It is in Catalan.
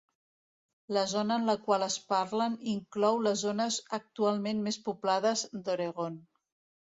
La zona en la qual es parlen inclou les zones actualment més poblades d'Oregon.